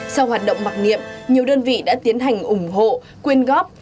sau hoạt động mặc niệm nhiều đơn vị đã tiến hành ủng hộ quyên góp